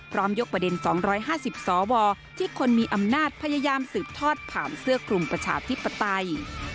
ยกประเด็น๒๕๐สวที่คนมีอำนาจพยายามสืบทอดผ่านเสื้อกลุ่มประชาธิปไตย